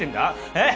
えっ？